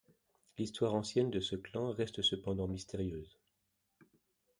L'histoire ancienne de ce clan reste cependant mystérieuse.